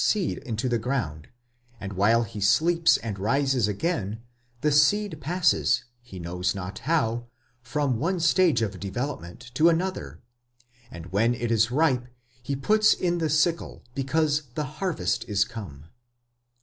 seed into the ground, and while he sleeps and rises again, the seed passes, he knows not how, from one stage of development to another: and when it is ripe, he puts in the sickle, because the harvest is come.